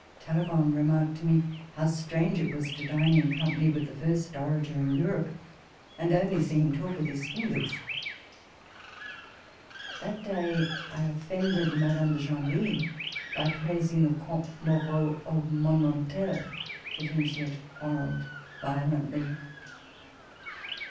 Talleyrand remarked to me, " how strange it was, to dine in company with the first orator in Europe, and only see him talk with his fingers I " That day I offended Madame de Genlis by praising the " Contes Moraux " of Mannontel, with whom she had quarrelled violently.